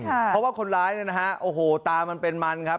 เพราะว่าคนร้ายเนี่ยนะฮะโอ้โหตามันเป็นมันครับ